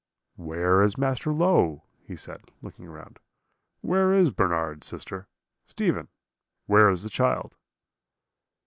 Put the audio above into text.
"'Where is Master Low?' he said, looking round. 'Where is Bernard, sister? Stephen, where is the child?'